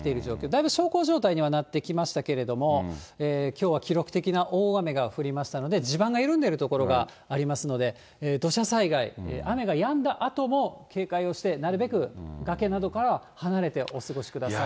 だいぶ小康状態にはなってきましたけれども、きょうは記録的な大雨が降りましたので、地盤が緩んでいる所がありますので、土砂災害、雨がやんだあとも警戒をして、なるべく崖などからは離れてお過ごしください。